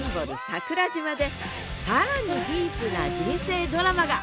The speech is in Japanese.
桜島で更にディープな人生ドラマが！